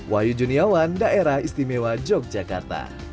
wahyu juniawan daerah istimewa yogyakarta